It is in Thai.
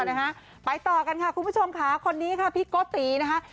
นะฮะไปต่อกันค่ะคุณผู้ชมค่ะคนนี้ค่ะพี่โกตินะคะ